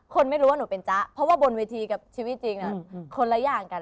ไม่รู้ว่าหนูเป็นจ๊ะเพราะว่าบนเวทีกับชีวิตจริงคนละอย่างกัน